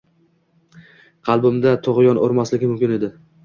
Qalbimda tug‘yon urmasligi mumkin edi.